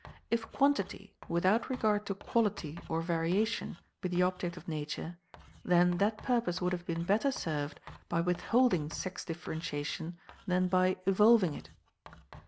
If quantity, without regard to quality or variation, be the object of Nature, then that purpose would have been better served by withholding sex differentiation than by evolving it.